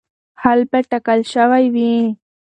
حل به ټاکل شوی وي.